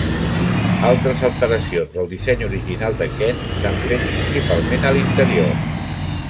Altres alteracions del disseny original de Kent s'han fet principalment a l'interior.